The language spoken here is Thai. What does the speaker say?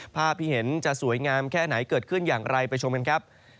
ภาพที่เห็นจะสวยงามแค่ไหนเกิดขึ้นอย่างไรไปชมกันครับ